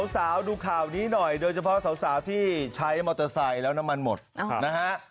สาวดูข่าวนี้หน่อยโดยเฉพาะสาวที่ใช้มอเตอร์ไซค์แล้วน้ำมันหมดนะฮะ